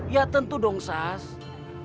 ya tentu dong sask